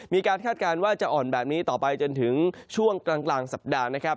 คาดการณ์ว่าจะอ่อนแบบนี้ต่อไปจนถึงช่วงกลางสัปดาห์นะครับ